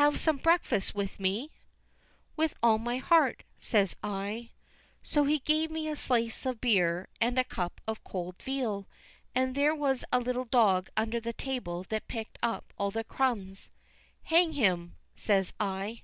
"Have some breakfast with me?" "With all my heart," says I. So he gave me a slice of beer, and a cup of cold veal; and there was a little dog under the table that picked up all the crumbs. "Hang him," says I.